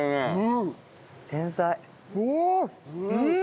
うん！